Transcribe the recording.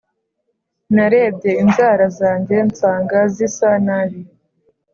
Narebye inzara zanjye nsanga zisa nabi